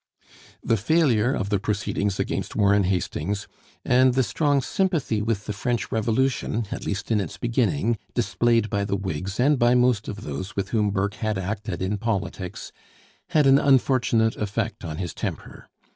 The failure of the proceedings against Warren Hastings, and the strong sympathy with the French Revolution at least in its beginning displayed by the Whigs and by most of those with whom Burke had acted in politics, had an unfortunate effect on his temper.